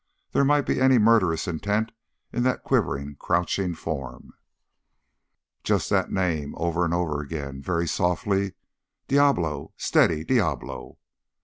There might be any murderous intent in that quivering, crouching form. Just that name, over and over again, very softly, "Diablo! Steady, Diablo!"